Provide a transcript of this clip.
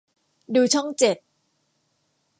ดูช่องเจ็ด